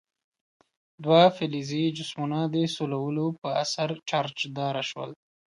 دوه فلزي جسمونه د سولولو په اثر چارجداره شول.